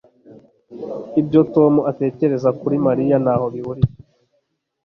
Ibyo Tom atekereza kuri Mariya ntaho bihuriye